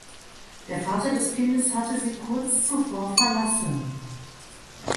Der Vater des Kindes hatte sie kurz zuvor verlassen.